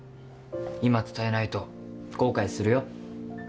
今伝えないと後悔するよ？